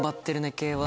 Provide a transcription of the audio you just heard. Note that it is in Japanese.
系は。